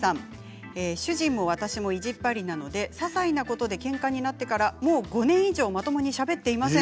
主人私も意地っ張りなのでささいなことでけんかになってから、もう５年以上、まともにしゃべっていません。